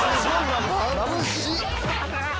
まぶしい！